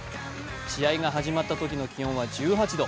試合が始まったときの気温は１８度。